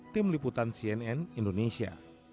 tim liputan cnn indonesia